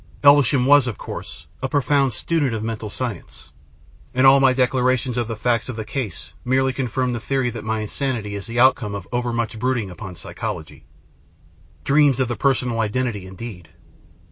Elvesham was, of course, a profound student of mental science, and all my declarations of the facts of the case merely confirm the theory that my insanity is the outcome of overmuch brood ing upon psychology. Dreams of the personal identity indeed